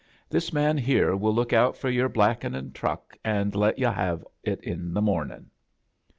"This man here will look out for your blackin* and truck, and let yu' have it in the morning."